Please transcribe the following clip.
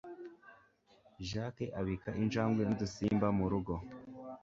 Jack abika injangwe nudusimba murugo.